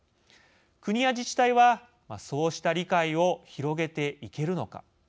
国や自治体はそうした理解を広げていけるのか。